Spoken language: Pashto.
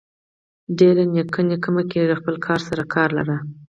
ډير نيکه نيکه مه کيږه خپل کار سره کار لره.